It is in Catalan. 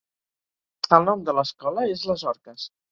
El nom de l'escola és les "orques".